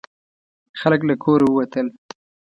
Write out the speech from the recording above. خلک له کوره ووتل.